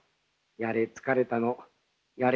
やれ疲れたのやれ